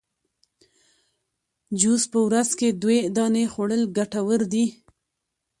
جوز په ورځ کي دوې دانې خوړل ګټور دي